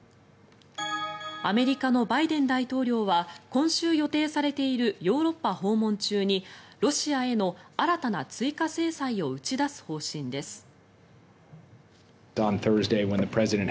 アメリカのバイデン大統領は今週予定されているヨーロッパ訪問中にロシアへの新たな追加制裁を打ち出す方針です。